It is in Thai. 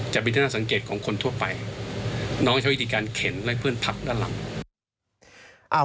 จะเป็นที่น่าสังเกตของคนทั่วไปน้องใช้วิธีการเข็นและเพื่อนพับด้านหลัง